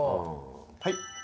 はい。